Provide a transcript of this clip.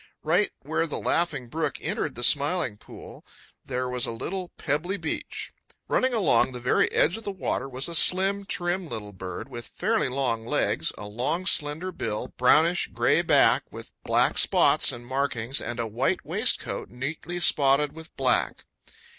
Right where the Laughing Brook entered the Smiling Pool there was a little pebbly beach. Running along the very edge of the water was a slim, trim little bird with fairly long legs, a long slender bill, brownish gray back with black spots and markings, and a white waistcoat neatly spotted with black.